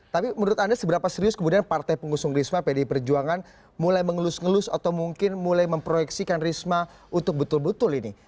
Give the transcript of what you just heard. tapi menurut anda seberapa serius kemudian partai pengusung risma pdi perjuangan mulai mengelus ngelus atau mungkin mulai memproyeksikan risma untuk betul betul ini